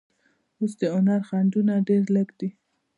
اوس د هنر خنډونه ډېر لږ دي.